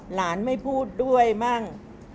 หลานไม่พูดด้วยมั่ง